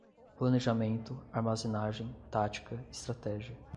planejamento, armazenagem, tática, estratégia